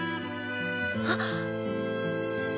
あっ。